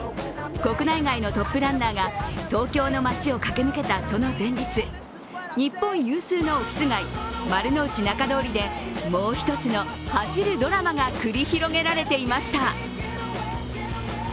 国内外のトップランナーが東京の街を駆け抜けたその前日日本有数のオフィス街、丸の内仲通りでもう一つの走るドラマが繰り広げられていました。